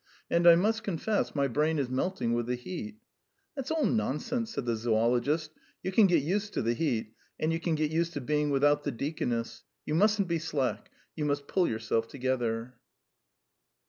And I must confess my brain is melting with the heat." "That's all nonsense," said the zoologist. "You can get used to the heat, and you can get used to being without the deaconess. You mustn't be slack; you must pull yourself together."